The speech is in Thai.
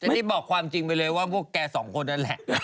อันนี้บอกความจริงไปเลยว่าพวกแกสองคนนั่นแหละ